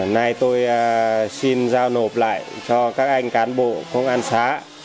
nay tôi xin giao nộp lại cho các anh cán bộ công an xã